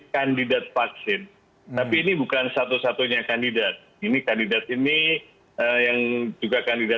kandidat vaksin tapi ini bukan satu satunya kandidat ini kandidat ini yang juga kandidat